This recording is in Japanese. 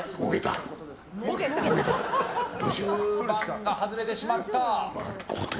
吸盤が外れてしまった。